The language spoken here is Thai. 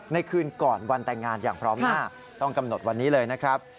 คืนก่อนวันแต่งงานอย่างพร้อมหน้าต้องกำหนดวันนี้เลยนะครับ